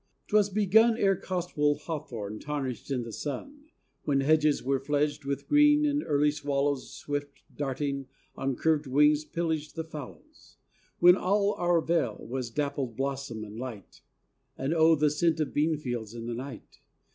’Twas begun Ere Cotswold hawthorn tarnished in the sun, When hedges were fledged with green, and early swallows Swift darting, on curved wings, pillaged the fallows; When all our vale was dappled blossom and light, And oh, the scent of beanfields in the night!